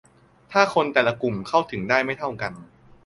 ถ้าคนแต่ละกลุ่มเข้าถึงได้ไม่เท่ากัน